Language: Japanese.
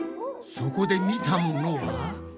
そこで見たものは？